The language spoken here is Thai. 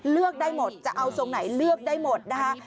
เลือกได้หมดจะเอาทรงไหนเลือกได้หมดนะคะ